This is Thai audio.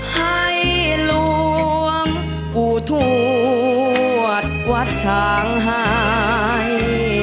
ให้หลวงปู่ทวดวัดฉางหาย